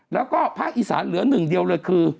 แล้วก็ภาคอีสานเหลือหนึ่งเดียวเลยคือ